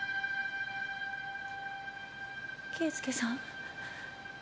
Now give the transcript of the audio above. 圭介さん？